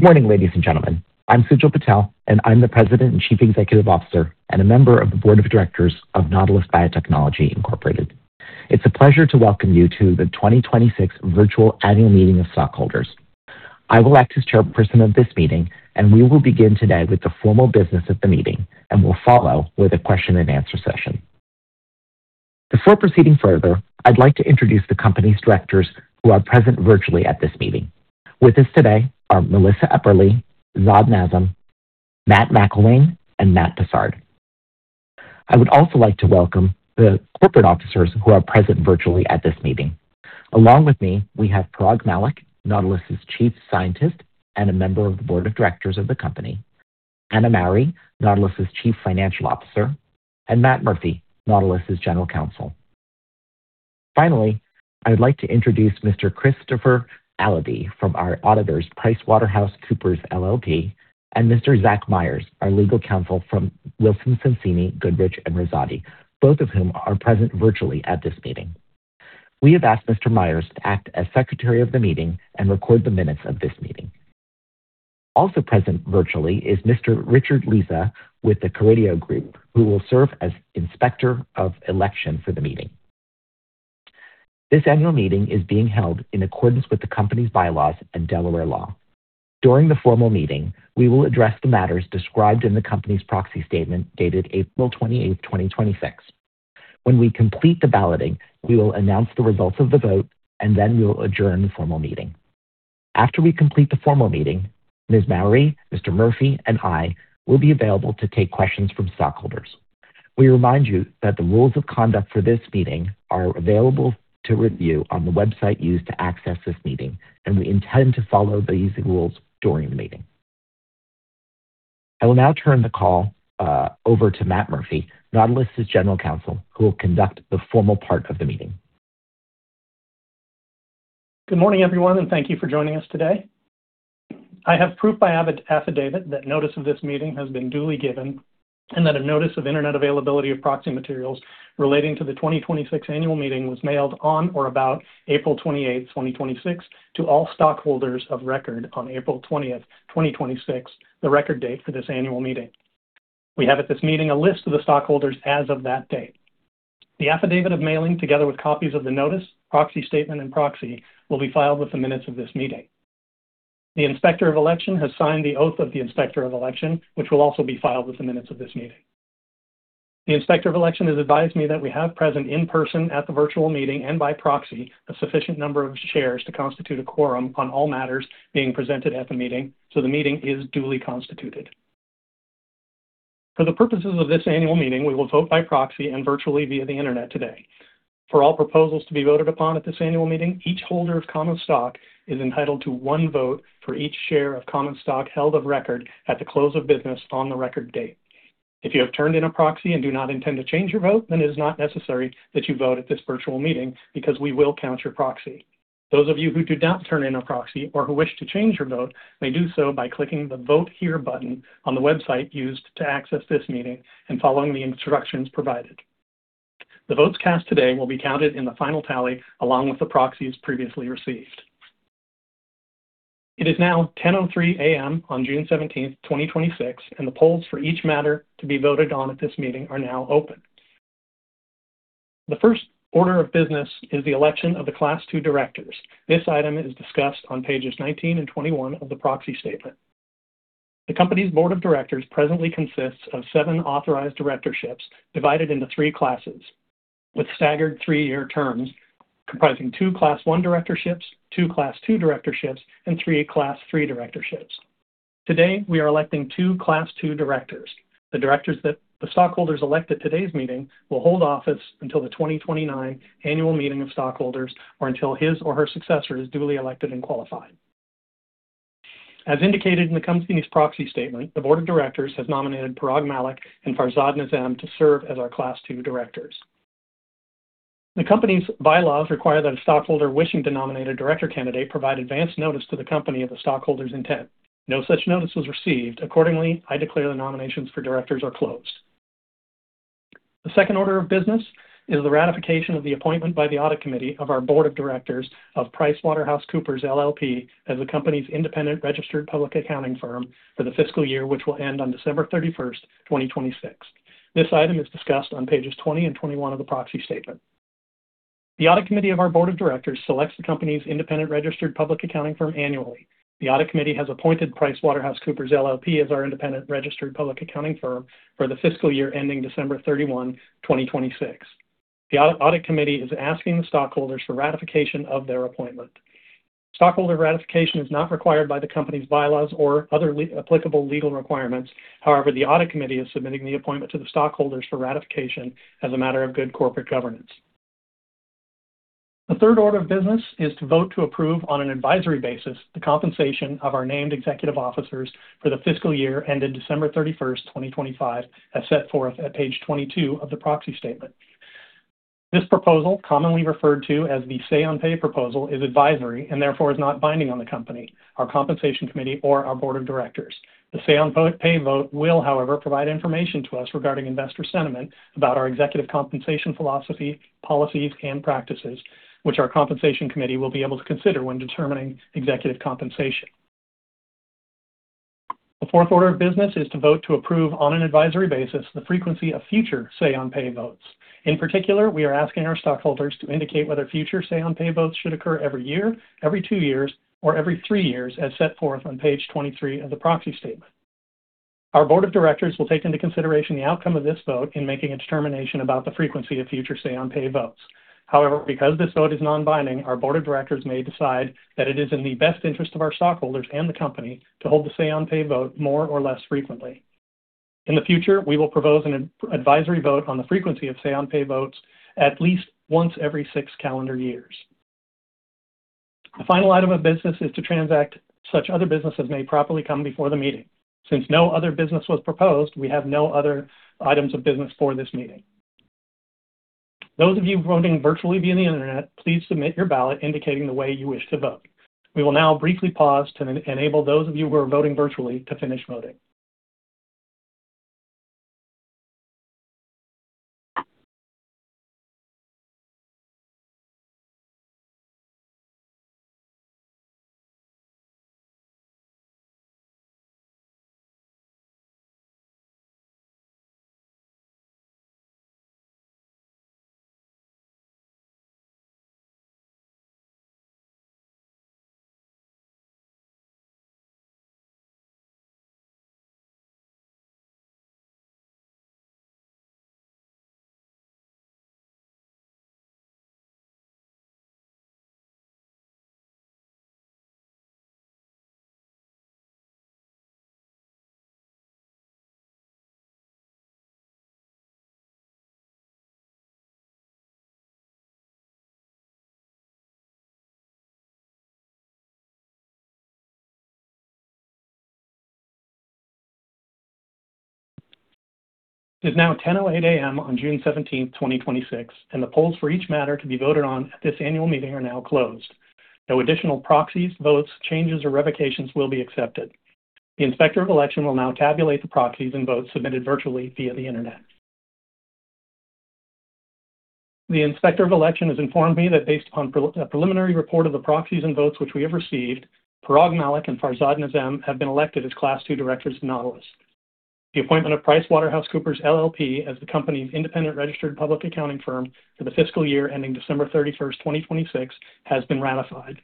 Morning, ladies and gentlemen. I'm Sujal Patel, I'm the President and Chief Executive Officer and a member of the Board of Directors of Nautilus Biotechnology, Inc. It's a pleasure to welcome you to the 2026 virtual annual meeting of stockholders. I will act as Chairperson of this meeting. We will begin today with the formal business of the meeting. We'll follow with a question and answer session. Before proceeding further, I'd like to introduce the company's Directors who are present virtually at this meeting. With us today are Melissa Epperly, Farzad Nazem, Matt McIlwain, and Matt Posard. I would also like to welcome the corporate officers who are present virtually at this meeting. Along with me, we have Parag Mallick, Nautilus's Chief Scientist and a member of the Board of Directors of the company, Anna Mowry, Nautilus's Chief Financial Officer, and Matt Murphy, Nautilus's General Counsel. I would like to introduce Mr. Christopher Alade from our auditors, PricewaterhouseCoopers LLP, Mr. Zach Myers, our legal counsel from Wilson Sonsini Goodrich & Rosati, both of whom are present virtually at this meeting. We have asked Mr. Myers to act as Secretary of the meeting and record the minutes of this meeting. Also present virtually is Mr. Richard Leza with The Carideo Group, who will serve as Inspector of Election for the meeting. This annual meeting is being held in accordance with the company's bylaws and Delaware law. During the formal meeting, we will address the matters described in the company's proxy statement dated April 28th, 2026. When we complete the balloting, we will announce the results of the vote. We will adjourn the formal meeting. After we complete the formal meeting, Ms. Mowry, Mr. Murphy, and I will be available to take questions from stockholders. We remind you that the rules of conduct for this meeting are available to review on the website used to access this meeting. We intend to follow these rules during the meeting. I will now turn the call over to Matt Murphy, Nautilus's General Counsel, who will conduct the formal part of the meeting. Good morning, everyone. Thank you for joining us today. I have proof by affidavit that notice of this meeting has been duly given that a Notice of Internet Availability of Proxy Materials relating to the 2026 annual meeting was mailed on or about April 28th, 2026, to all stockholders of record on April 20th, 2026, the record date for this annual meeting. We have at this meeting a list of the stockholders as of that date. The affidavit of mailing, together with copies of the notice, proxy statement, and proxy, will be filed with the minutes of this meeting. The Inspector of Election has signed the oath of the Inspector of Election, which will also be filed with the minutes of this meeting. The Inspector of Election has advised me that we have present in person at the virtual meeting and by proxy a sufficient number of shares to constitute a quorum on all matters being presented at the meeting. The meeting is duly constituted. For the purposes of this annual meeting, we will vote by proxy and virtually via the Internet today. For all proposals to be voted upon at this annual meeting, each holder of common stock is entitled to one vote for each share of common stock held of record at the close of business on the record date. If you have turned in a proxy and do not intend to change your vote, it is not necessary that you vote at this virtual meeting because we will count your proxy. Those of you who do not turn in a proxy or who wish to change your vote may do so by clicking the "Vote Here" button on the website used to access this meeting and following the instructions provided. The votes cast today will be counted in the final tally, along with the proxies previously received. It is now 10:03 A.M. on June 17th, 2026, and the polls for each matter to be voted on at this meeting are now open. The first order of business is the election of the Class II directors. This item is discussed on pages 19 and 21 of the proxy statement. The company's Board of Directors presently consists of seven authorized directorships divided into three Classes with staggered three-year terms comprising two Class I directorships, two Class II directorships, and three Class III directorships. Today, we are electing two Class II directors. The directors that the stockholders elect at today's meeting will hold office until the 2029 annual meeting of stockholders or until his or her successor is duly elected and qualified. As indicated in the company's proxy statement, the Board of Directors has nominated Parag Mallick and Farzad Nazem to serve as our Class II directors. The company's bylaws require that a stockholder wishing to nominate a director candidate provide advance notice to the company of the stockholder's intent. No such notice was received. Accordingly, I declare the nominations for directors are closed. The second order of business is the ratification of the appointment by the audit committee of our Board of Directors of PricewaterhouseCoopers LLP, as the company's independent registered public accounting firm for the fiscal year, which will end on December 31st, 2026. This item is discussed on pages 20 and 21 of the proxy statement. The audit committee of our Board of Directors selects the company's independent registered public accounting firm annually. The audit committee has appointed PricewaterhouseCoopers LLP, as our independent registered public accounting firm for the fiscal year ending December 31, 2026. The audit committee is asking the stockholders for ratification of their appointment. Stockholder ratification is not required by the company's bylaws or other applicable legal requirements. However, the audit committee is submitting the appointment to the stockholders for ratification as a matter of good corporate governance. The third order of business is to vote to approve, on an advisory basis, the compensation of our named executive officers for the fiscal year ended December 31st, 2025, as set forth at page 22 of the proxy statement. This proposal, commonly referred to as the Say on Pay proposal, is advisory and therefore is not binding on the company, our compensation committee, or our Board of Directors. The Say on Pay Vote will, however, provide information to us regarding investor sentiment about our executive compensation philosophy, policies, and practices, which our compensation committee will be able to consider when determining executive compensation. The fourth order of business is to vote to approve, on an advisory basis, the frequency of future Say on Pay Votes. In particular, we are asking our stockholders to indicate whether future Say on Pay Votes should occur every year, every two years, or every three years, as set forth on page 23 of the proxy statement. Our Board of Directors will take into consideration the outcome of this vote in making a determination about the frequency of future Say on Pay Votes. Because this vote is non-binding, our Board of Directors may decide that it is in the best interest of our stockholders and the company to hold the Say on Pay Vote more or less frequently. In the future, we will propose an advisory vote on the frequency of Say on Pay Votes at least once every six calendar years. The final item of business is to transact such other business as may properly come before the meeting. No other business was proposed, we have no other items of business for this meeting. Those of you voting virtually via the Internet, please submit your ballot indicating the way you wish to vote. We will now briefly pause to enable those of you who are voting virtually to finish voting. It is now 10:08 A.M. on June 17th, 2026. The polls for each matter to be voted on at this annual meeting are now closed. No additional proxies, votes, changes, or revocations will be accepted. The Inspector of Election will now tabulate the proxies and votes submitted virtually via the Internet. The Inspector of Election has informed me that based upon a preliminary report of the proxies and votes which we have received, Parag Mallick and Farzad Nazem have been elected as Class II directors of Nautilus. The appointment of PricewaterhouseCoopers LLP as the company's independent registered public accounting firm for the fiscal year ending December 31st, 2026, has been ratified.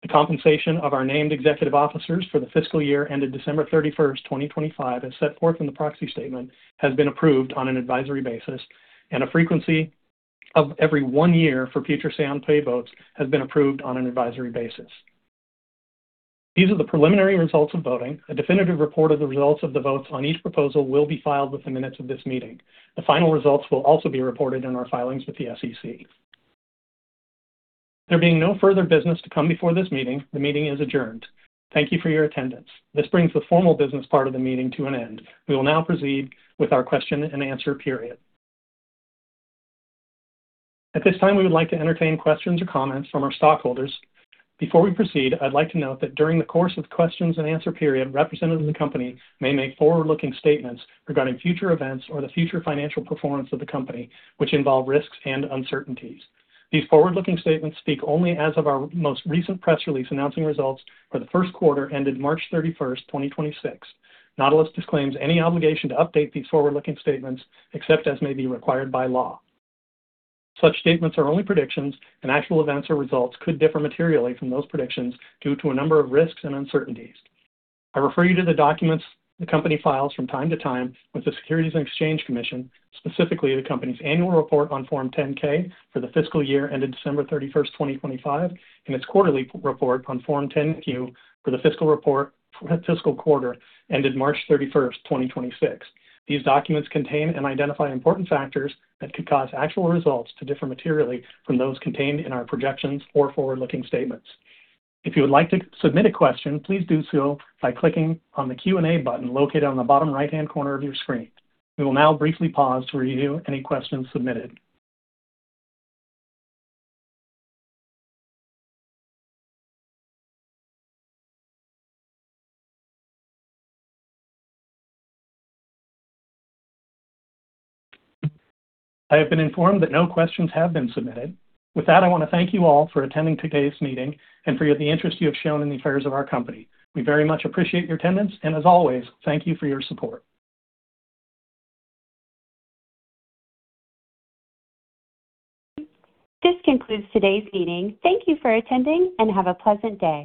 The compensation of our named executive officers for the fiscal year ended December 31st, 2025, as set forth in the proxy statement, has been approved on an advisory basis. A frequency of every one year for future Say on Pay votes has been approved on an advisory basis. These are the preliminary results of voting. A definitive report of the results of the votes on each proposal will be filed with the minutes of this meeting. The final results will also be reported in our filings with the SEC. There being no further business to come before this meeting, the meeting is adjourned. Thank you for your attendance. This brings the formal business part of the meeting to an end. We will now proceed with our question and answer period. At this time, we would like to entertain questions or comments from our stockholders. Before we proceed, I'd like to note that during the course of the questions and answer period, representatives of the company may make forward-looking statements regarding future events or the future financial performance of the company, which involve risks and uncertainties. These forward-looking statements speak only as of our most recent press release announcing results for the first quarter ended March 31st, 2026. Nautilus disclaims any obligation to update these forward-looking statements except as may be required by law. Such statements are only predictions, and actual events or results could differ materially from those predictions due to a number of risks and uncertainties. I refer you to the documents the company files from time to time with the Securities and Exchange Commission, specifically the company's annual report on Form 10-K for the fiscal year ended December 31st, 2025, and its quarterly report on Form 10-Q for the fiscal quarter ended March 31st, 2026. These documents contain and identify important factors that could cause actual results to differ materially from those contained in our projections or forward-looking statements. If you would like to submit a question, please do so by clicking on the Q&A button located on the bottom right-hand corner of your screen. We will now briefly pause to review any questions submitted. I have been informed that no questions have been submitted. With that, I want to thank you all for attending today's meeting and for the interest you have shown in the affairs of our company. We very much appreciate your attendance, and as always, thank you for your support. This concludes today's meeting. Thank you for attending, and have a pleasant day.